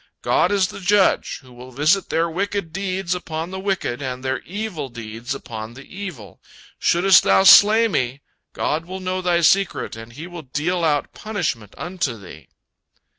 God is the Judge, who will visit their wicked deeds upon the wicked, and their evil deeds upon the evil. Shouldst thou slay me, God will know thy secret, and He will deal out punishment unto thee."